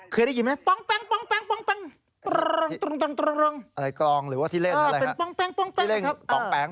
เคยได้ยินมั้ยปองแปงปองแปงปองแปง